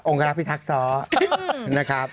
องค์การักษ์พี่ทักท้อ